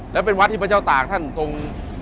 และเป็นวัดที่พระเจ้าตากท่านทรง